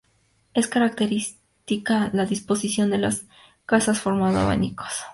Es característica la disposición de las casas, formando abanicos.